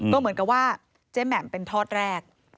ก็เหมือนกับว่าเจ๊แหม่มเป็นทอดแรก